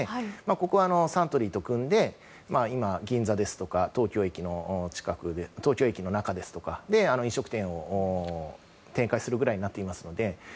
ここはサントリーと組んで今、銀座ですとか東京駅の中ですとかで飲食店を展開するぐらいになっていますので。